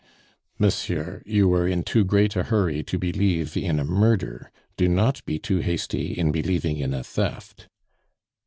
"Monsieur, you were in too great a hurry to believe in a murder; do not be too hasty in believing in a theft."